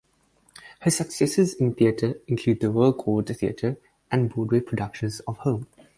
Her successes in theatre include the Royal Court Theatre and Broadway productions of "Home".